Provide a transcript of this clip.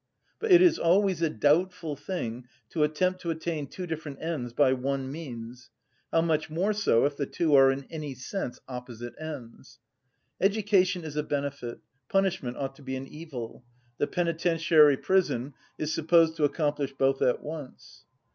But it is always a doubtful thing to attempt to attain two different ends by one means: how much more so if the two are in any sense opposite ends. Education is a benefit, punishment ought to be an evil; the penitentiary prison is supposed to accomplish both at once.